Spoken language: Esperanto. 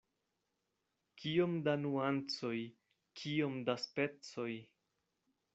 Kiom da nuancoj, kiom da specoj!